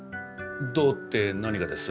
どうって何がです？